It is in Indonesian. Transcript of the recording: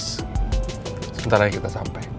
sebentar lagi kita sampai